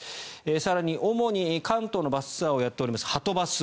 更に主に関東のバスツアーをやっております、はとバス。